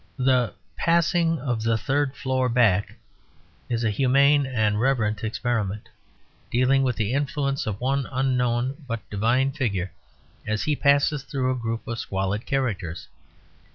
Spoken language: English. The Passing of the Third Floor Back is a humane and reverent experiment, dealing with the influence of one unknown but divine figure as he passes through a group of Squalid characters.